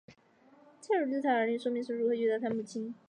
泰德持续对他的儿女说明他是如何遇到他们的母亲。